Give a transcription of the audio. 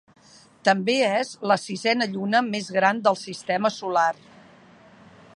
També és la sisena lluna més gran del sistema solar.